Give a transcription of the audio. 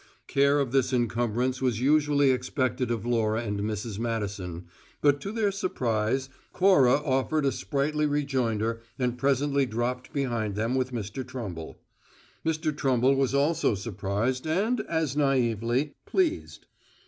Care of this encumbrance was usually expected of Laura and Mrs. Madison, but to their surprise Cora offered a sprightly rejoinder and presently dropped behind them with Mr. Trumble. Mr. Trumble was also surprised and, as naively, pleased.